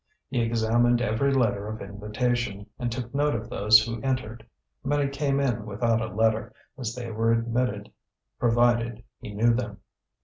He examined every letter of invitation, and took note of those who entered; many came in without a letter, as they were admitted provided he knew them.